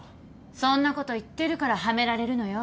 そんなこと言ってるからはめられるのよ。